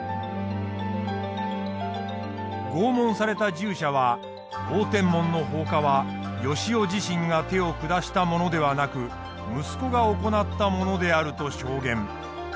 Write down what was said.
拷問された従者は応天門の放火は善男自身が手を下したものではなく息子が行ったものであると証言。